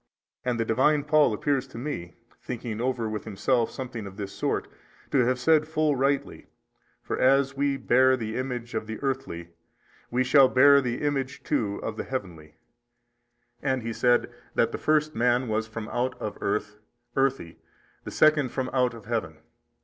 And the Divine Paul appears to me, thinking over with himself something of this sort, to have said full rightly, For as we bare the image of the earthy we shall bear the image too of the heavenly: and he said that the first man was from out of earth, earthy, the second from out of Heaven.